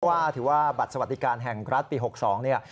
ว่าถือว่าบัตรสวัสดิการแห่งรัฐปี๖๒เนี่ย